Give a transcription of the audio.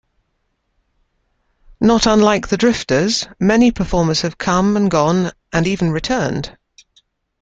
Not unlike The Drifters, many performers have come and gone, and even returned.